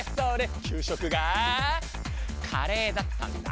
給食がカレーだったんだ。